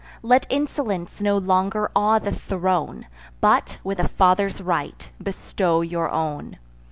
Let insolence no longer awe the throne; But, with a father's right, bestow your own.